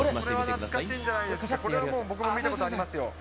懐かしいんじゃないですか、これは僕も見たことありますよ。